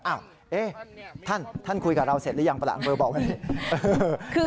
อ้าวเอ๊ะท่านท่านคุยกับเราเสร็จหรือยังประหลักอำเภอบอกไหมคือ